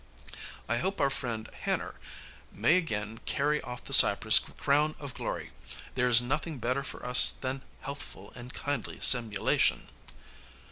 I hope our friend Hanner may again carry off the cypress crown of glory. There is nothing better for us than healthful and kindly simulation."